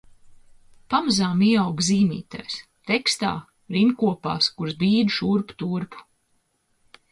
Pamazām ieaugu zīmītēs, tekstā, rindkopās, kuras bīdu šurpu turpu.